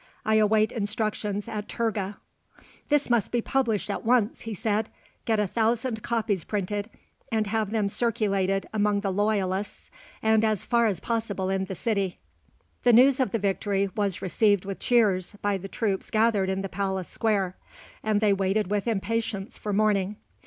I await instructions at Turga_. "This must be published at once," he said. "Get a thousand copies printed, and have them circulated among the loyalists and as far as possible in the city." The news of the victory was received with cheers by the troops gathered in the palace square, and they waited with impatience for morning.